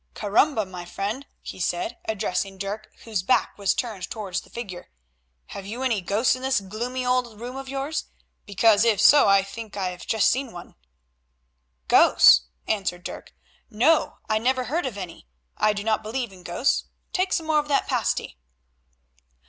"Caramba, my friend," he said, addressing Dirk, whose back was turned towards the figure, "have you any ghosts in this gloomy old room of yours? Because, if so, I think I have just seen one." "Ghosts!" answered Dirk, "no, I never heard of any; I do not believe in ghosts. Take some more of that pasty."